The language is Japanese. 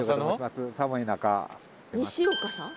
西岡さん？